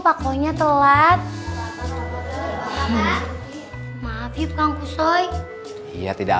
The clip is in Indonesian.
pak hoi nya terus terus